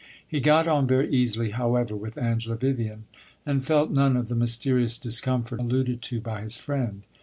He got on very easily, however, with Angela Vivian, and felt none of the mysterious discomfort alluded to by his friend.